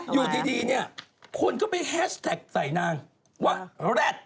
อยู่ดีเนี่ยคนก็ไปแฮชแท็กใส่นางว่าแร็ด